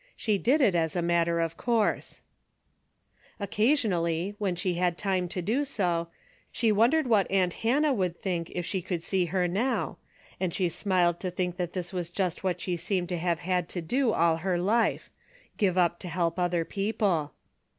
She did it as a matter of course. 38 A DAILY BATE." Occasionally, when she had time to do so, she wondered what aunt Hannah would think if she could see her now, and she smiled to think that this was just what she seemed to have had to do all her life, — give up to help other people.